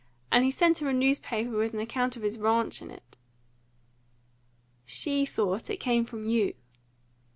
and he sent her a newspaper with an account of his ranch in it " "She thought it came from you."